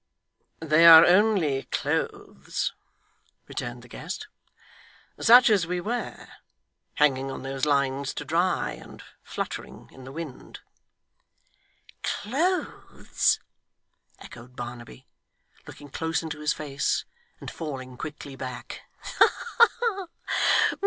'They are only clothes,' returned the guest, 'such as we wear; hanging on those lines to dry, and fluttering in the wind.' 'Clothes!' echoed Barnaby, looking close into his face, and falling quickly back. 'Ha ha!